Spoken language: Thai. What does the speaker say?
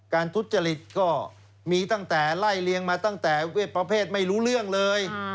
ทุจริตก็มีตั้งแต่ไล่เลี้ยงมาตั้งแต่ประเภทไม่รู้เรื่องเลย